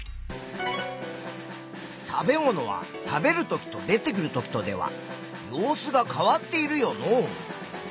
食べ物は食べるときと出てくるときとでは様子が変わっているよのう。